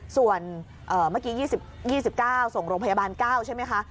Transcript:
ส่วนเมื่อกี้๒๙ส่งโรงพยาบาล๙ใช่ไหมคะ